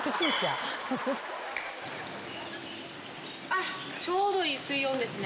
あっちょうどいい水温ですね。